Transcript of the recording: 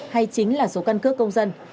hay chính là số căn cước công dân